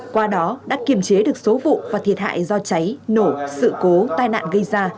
qua đó đã kiềm chế được số vụ và thiệt hại do cháy nổ sự cố tai nạn gây ra